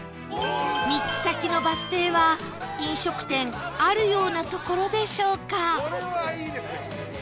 ３つ先のバス停は飲食店あるような所でしょうか？